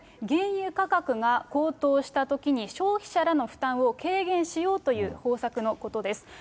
原油価格が高騰したときに消費者らの負担を軽減しようという方策のことです。